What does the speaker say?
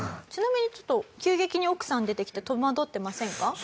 ちなみにちょっと急激に奥さん出てきて戸惑ってませんか？